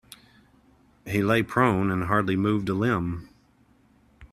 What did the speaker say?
He lay prone and hardly moved a limb.